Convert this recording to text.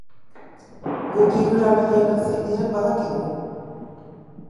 Guk hiru erabilienak zein diren badakigu.